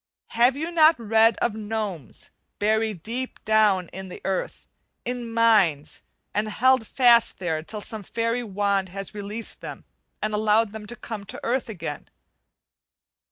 Have you not read of gnomes buried down deep in the earth, in mines, and held fast there till some fairy wand has released them, and allowed them to come to earth again?